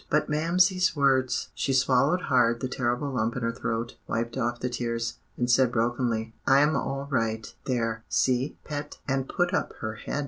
But Mamsie's words! She swallowed hard the terrible lump in her throat, wiped off the tears, and said brokenly, "I'm all right, there, see, Pet," and put up her head.